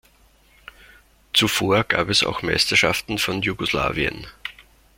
Zuvor gab es auch Meisterschaften von Jugoslawien.